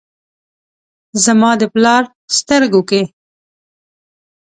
زما د پلار سترګو کې ،